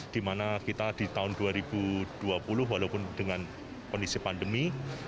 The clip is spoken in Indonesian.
dimana kita di tahun dua ribu dua puluh walaupun dengan kondisi pandemi